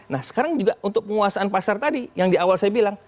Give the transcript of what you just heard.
nah sekarang juga untuk penguasaan pasar tadi yang di awal saya bilang